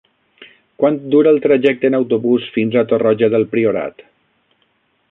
Quant dura el trajecte en autobús fins a Torroja del Priorat?